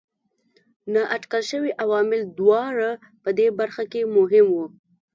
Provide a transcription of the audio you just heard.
نااټکل شوي عوامل دواړه په دې برخه کې مهم وو.